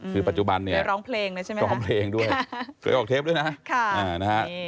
คือปัจจุบันเนี่ยร้องเพลงด้วยร้องเพลงด้วยเคยออกเทปด้วยนะครับ